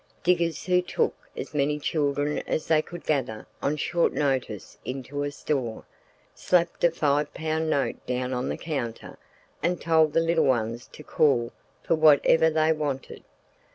Diggers who took as many children as they could gather on short notice into a store, slapped a five pound note down on the counter and told the little ones to call for whatever they wanted.